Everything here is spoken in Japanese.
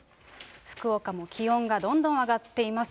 福岡も気温がどんどん上がっています。